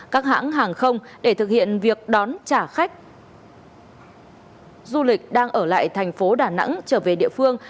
các hãng hàng không để thực hiện việc đón trả khách du lịch đang ở lại thành phố đà nẵng trở về địa phương